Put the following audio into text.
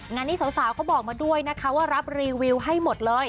งานนี้สาวเขาบอกมาด้วยนะคะว่ารับรีวิวให้หมดเลย